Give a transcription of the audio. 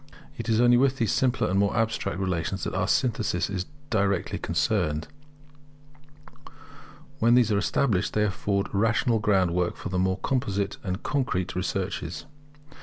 It is only with these simpler and more abstract relations that our synthesis is directly concerned: when these are established, they afford a rational groundwork for the more composite and concrete researches.